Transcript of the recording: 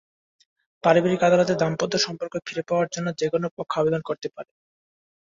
পারিবারিক আদালতে দাম্পত্য সম্পর্ক ফিরে পাওয়ার জন্য যেকোনো পক্ষ আবেদন করতে পারে।